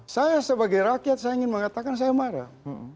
saya sebagai rakyat saya ingin mengatakan saya marah